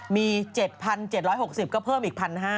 มี๗๗๖๐ก็เพิ่มอีก๑๕๐๐